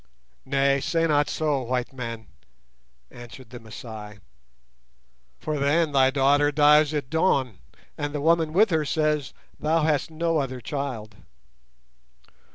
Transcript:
"Nay, say not so, white man," answered the Masai, "for then thy daughter dies at dawn, and the woman with her says thou hast no other child.